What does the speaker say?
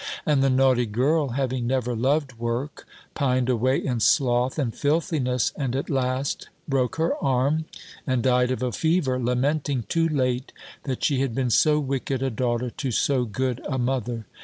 And the naughty girl, having never loved work, pined away in sloth and filthiness, and at last broke her arm, and died of a fever, lamenting, too late, that she had been so wicked a daughter to so good a mother!